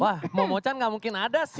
wah mau mocan gak mungkin ada sih